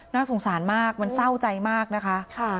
น่าสงสารมากมันเศร้าใจมากนะคะ